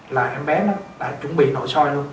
là em bé đã chuẩn bị nội soi luôn